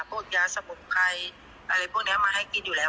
พวกยาสมุนไพรอะไรพวกนี้มาให้กินอยู่แล้ว